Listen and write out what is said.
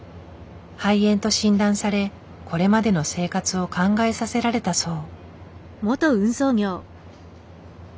肺炎と診断されこれまでの生活を考えさせられたそう。